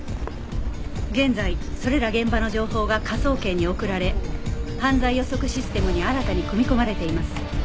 現在それら現場の情報が科捜研に送られ犯罪予測システムに新たに組み込まれています。